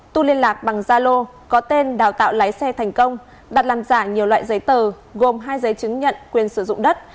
tu liên lạc bằng gia lô có tên đào tạo lái xe thành công đặt làm giả nhiều loại giấy tờ gồm hai giấy chứng nhận quyền sử dụng đất